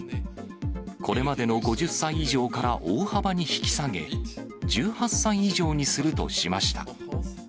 これまでの５０歳以上から大幅に引き下げ、１８歳以上にするとしました。